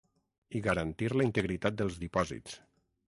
I garantir la integritat dels dipòsits.